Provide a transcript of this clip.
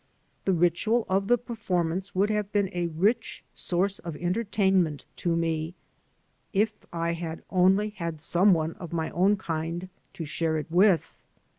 The ritual of the performance would have been a rich source of entertainment to me if I had only had some one of my own kind to share it with.